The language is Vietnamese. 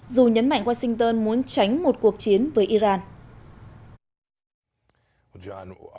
dù nhấn mạnh washington muốn tránh một cuộc chiến với iran